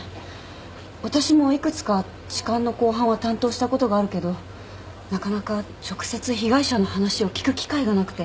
私も幾つか痴漢の公判は担当したことがあるけどなかなか直接被害者の話を聞く機会がなくて。